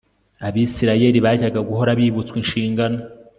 Abisirayeli bajyaga guhora bibutswa inshingano